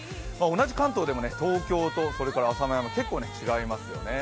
同じ関東でも東京とそれから浅間山、結構違いますよね